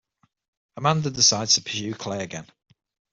Amanda decides to pursue Clay again.